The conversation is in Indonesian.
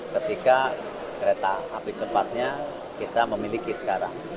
ketika kereta api cepatnya kita memiliki sekarang